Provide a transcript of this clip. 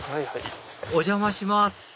お邪魔します